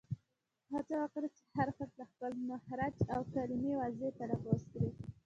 هڅه وکړئ، هر حرف له خپل مخرج او کلیمه واضیح تلفظ کړئ!